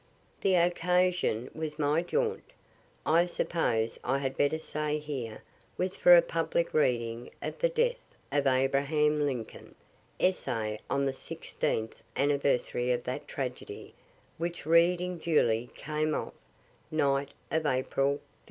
The occasion of my jaunt, I suppose I had better say here, was for a public reading of "the death of Abraham Lincoln" essay, on the sixteenth anniversary of that tragedy; which reading duly came off, night of April 15.